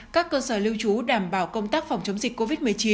các cơ sở lưu trú đảm bảo công tác phòng chống dịch covid một mươi chín